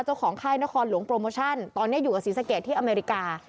ค่ายนครหลวงโปรโมชั่นตอนนี้อยู่กับศรีสะเกดที่อเมริกา